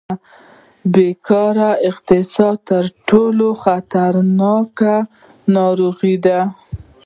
بېکاري د اقتصاد تر ټولو خطرناکه ناروغي ده.